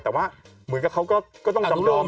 แต่ว่าเหมือนกับเขาก็ต้องอันดุโรม